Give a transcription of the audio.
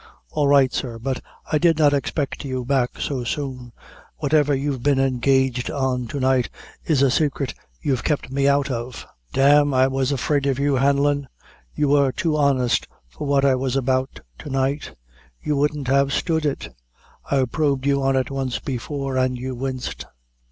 "All right, sir; but I did not expect you back so soon. Whatever you've been engaged on to night is a saicret you've kep' me out of." "D e, I was afraid of you, Hanlon you were too honest for what I was about to night. You wouldn't have stood it I probed you on it once before, and you winced."